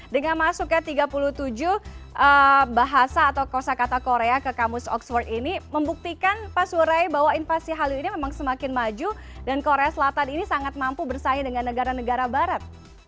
dengan masuknya tiga puluh tujuh bahasa atau kosa kata korea ke kamus oxford ini membuktikan pak surai bahwa invasi hallyu ini memang semakin maju dan korea selatan ini sangat mampu bersaing dengan negara negara barat